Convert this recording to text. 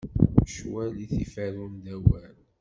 Ccwal i t-iferrun d awal.